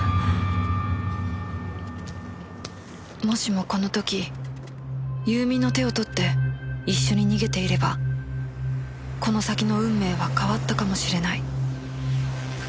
もしもこの時優美の手を取って一緒に逃げていればこの先の運命は変わったかもしれない